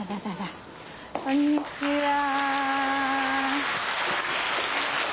こんにちは。